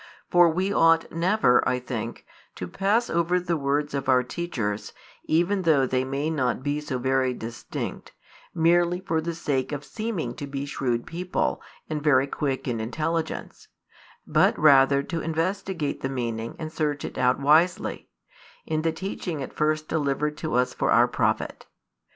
For we ought never, I think, to pass over the words of our teachers, even though they may not be so very distinct, merely for the sake of seeming to be shrewd people and very quick in intelligence; but rather to investigate the meaning and search it out wisely, in the teaching at first delivered to us for our profit.